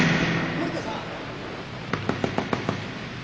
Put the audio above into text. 森田さん！